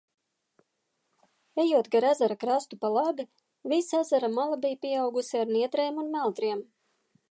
Ejot gar krastu pa labi, visa ezera mala bija pieaugusi ar niedrēm un meldriem.